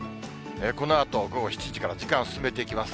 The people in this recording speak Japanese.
このあと午後７時から時間進めていきます。